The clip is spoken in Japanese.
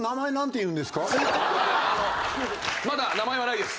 いやまだ名前はないです！